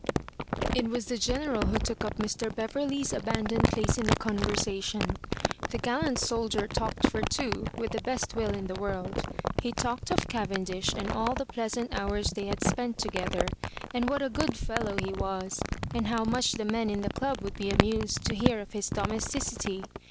It was the General who took up Mr. Beveriey's abandoned place in the conversation. The gal lant soldier talked for two with the best will in the world. He talked of Cavendish, and all the pleasant hours they had spent together, and what a good fellow he was, and how much the men in the club would be amused to hear of his donaes ticity.